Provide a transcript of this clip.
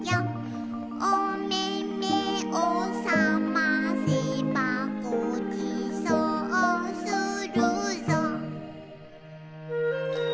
「おめめをさませばごちそうするぞ」